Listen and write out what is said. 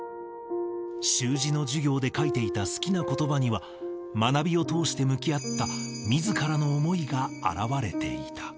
習字の授業で書いていた好きなことばには、学びを通して向き合った、みずからの思いが表れていた。